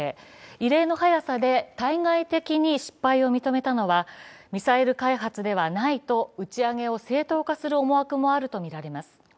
異例の早さで対外的に失敗を認めたのはミサイル開発ではないと打ち上げを正当化する思惑もあるとみられます。